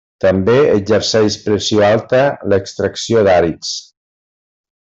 També exerceix pressió alta l'extracció d'àrids.